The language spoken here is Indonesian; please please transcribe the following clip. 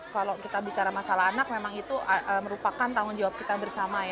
kalau kita bicara masalah anak memang itu merupakan tanggung jawab kita bersama